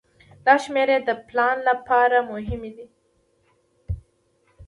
دا شمیرې د پلان لپاره مهمې دي.